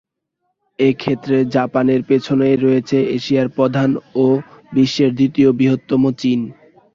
এ ক্ষেত্রে জাপানের পেছনেই রয়েছে এশিয়ার প্রধান ও বিশ্বের দ্বিতীয় বৃহত্তম চীন।